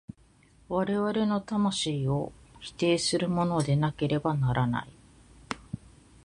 我々の魂を否定するものでなければならない。